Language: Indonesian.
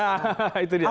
hahaha itu dia